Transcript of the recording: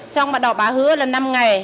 xong bà đọc bà hứa là năm ngày